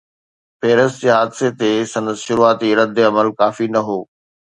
Paris جي حادثي تي سندس شروعاتي رد عمل ڪافي نه هو.